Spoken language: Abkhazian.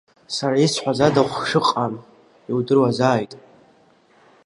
Сара исҳәаз ада хәшәыҟам, иудыруазааит.